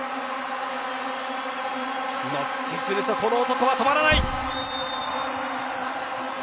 乗ってくるとこの男は止まらない。